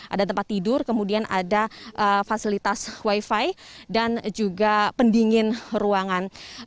ada tempat tidur kemudian ada fasilitas wifi dan juga pendingin ruangan